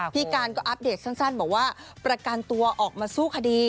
พี่การก็อัปเดตสั้นบอกว่าประกันตัวออกมาสู้คดี